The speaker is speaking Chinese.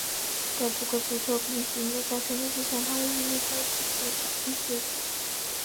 在德国足球丙级联赛成立之前它位于联赛体系的第四级。